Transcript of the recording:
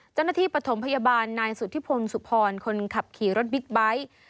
เจ้าหน้าที่ปฐมพยาบาลนายสุธิพลสุภรคนขับขี่รถบิ๊กไบท์